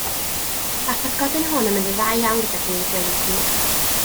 Mae'r pysgodyn hwn yn mynd yn dda iawn gyda gwin gwyn sych.